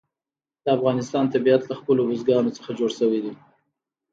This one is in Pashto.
د افغانستان طبیعت له خپلو بزګانو څخه جوړ شوی دی.